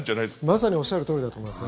まさにおっしゃるとおりだと思います。